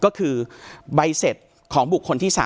ก็คือใบเสร็จของบุคคลที่๓